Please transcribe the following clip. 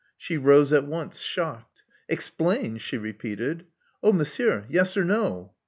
She rose at once, shocked. *' Explain!" she repeated. '*Oh, Monsieur, yes or no?"